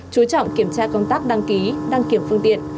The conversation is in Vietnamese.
chú trọng kiểm tra công tác đăng ký đăng kiểm phương tiện